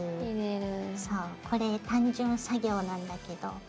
そうこれ単純作業なんだけど。